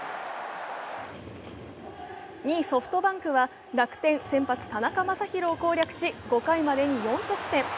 ２位、ソフトバンクは楽天先発・田中将大を攻略し、５回までに４得点。